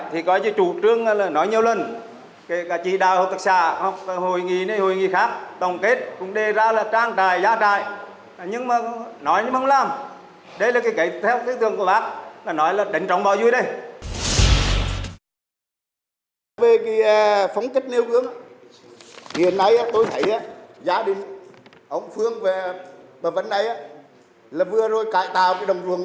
hiện nay tôi thấy gia đình ông phương và vấn đề là vừa rồi cải tạo